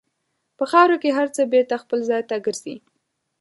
په خاوره کې هر څه بېرته خپل ځای ته ګرځي.